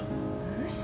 嘘！